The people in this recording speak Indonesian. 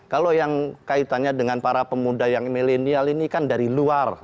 kalau yang kaitannya dengan para pemuda yang milenial ini kan dari luar